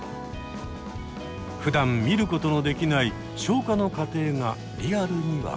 ふだん見ることのできない消化の過程がリアルに分かる。